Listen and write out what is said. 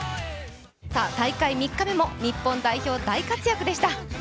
大会３日目も日本代表、大活躍でした。